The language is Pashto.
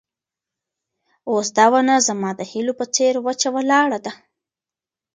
اوس دا ونه زما د هیلو په څېر وچه ولاړه ده.